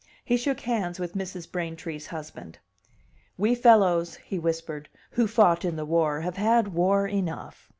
He shook hands with Mrs. Braintree's husband. "We fellows," he whispered, "who fought in the war have had war enough."